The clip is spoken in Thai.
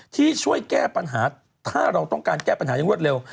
ที่ช่วยแก้ปัญหาถ้าเราต้องการแก้ปัญหาอย่างรวดเร็ว